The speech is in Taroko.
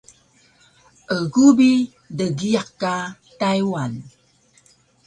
Egu bi dgiyaq ka Taywan